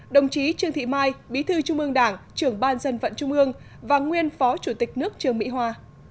đồng chí trương thị mai bí thư trung ương đảng trưởng ban dân vận trung ương và nguyên phó chủ tịch nước trương mỹ hoa